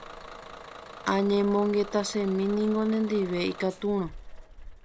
Añemongetasemíniko nendive ikatúrõ